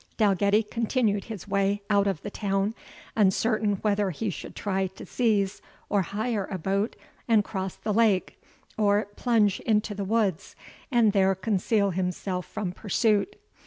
Dalgetty continued his way out of the town, uncertain whether he should try to seize or hire a boat and cross the lake, or plunge into the woods, and there conceal himself from pursuit.